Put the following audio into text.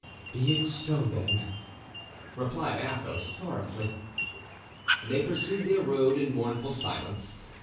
"Be it so then," replied Athos, sorrowfully. And they pursued their road in mournful silence.